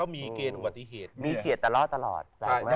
มีเกณฑ์อุบัติเกณฑ์ตลอดตลอด